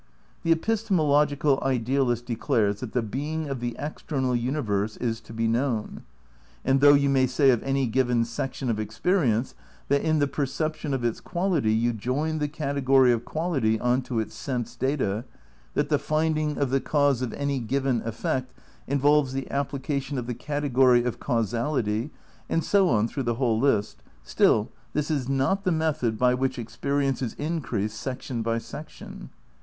The epistemological idealist declares that the being of the external universe is to be known. And though you may say of any given section of experience that in the perception of its quality you join the category of quality on to its sense data, that the finding of the cause of any given effect involves the application of the category of causality, and so on through the whole list, still, this is not the method by which experience is increased section by section.